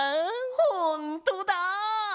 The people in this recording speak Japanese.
ほんとだ！